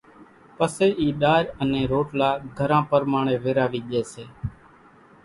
پسي اِي ڏارِ انين روٽلا گھران پرماڻي ويراوي ڄي سي،